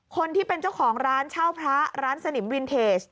คนที่เป็นเจ้าของร้านเช่าพระร้านสนิมวินเทจ